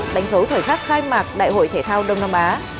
đánh dấu thời khắc khai mạc đại hội thể thao đông nam á